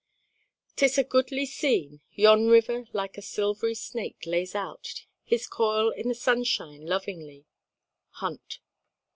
"'Tis a goodly scene Yon river, like a silvery snake, lays out His coil i' the sunshine lovingly." HUNT.